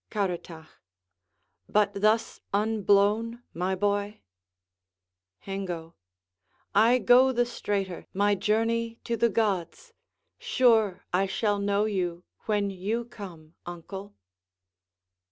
Caratach But thus unblown, my boy? Hengo I go the straighter My journey to the gods. Sure, I shall know you When you come, uncle.